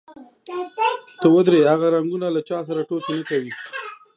ته ودرې، هغه رنګونه چا سره ټوکې نه کوي.